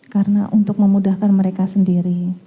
karena untuk memudahkan mereka sendiri